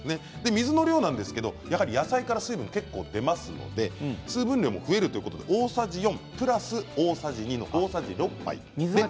水の量なんですけれど野菜から水分が結構、出ますので水分量も増えるということで大さじ４プラス大さじ２の大さじ６でいいと。